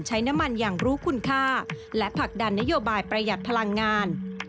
ใช้น้ำมันอย่างรู้คุณค่าและผลักดันนโยบายประหยัดพลังงาน